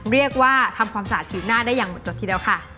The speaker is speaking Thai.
เรียกว่าทำความสะอาดผิวหน้าได้อย่างหมดจดทีเดียวค่ะ